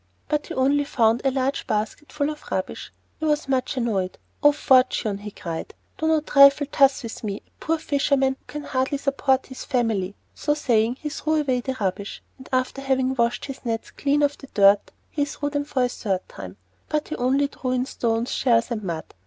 But he only found a large basket full of rubbish. He was much annoyed. "O Fortune," he cried, "do not trifle thus with me, a poor fisherman, who can hardly support his family!" So saying, he threw away the rubbish, and after having washed his nets clean of the dirt, he threw them for the third time. But he only drew in stones, shells, and mud.